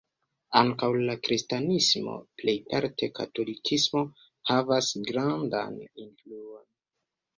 Ankaŭ la kristanismo (plejparte katolikismo) havas grandan influon.